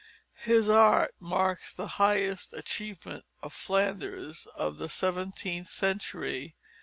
His art marks the highest achievement of Flanders of the seventeenth century.